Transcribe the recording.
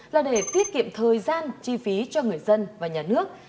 là để tiết kiệm thời gian chi phí cho người dân và nhà nước